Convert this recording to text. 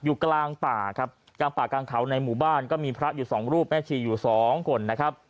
อยู่กลางป่าครับกลางป่ากลางเขาในหมู่บ้านก็มีพระอยู่สองรูปแม่ชีอยู่สองคนนะครับ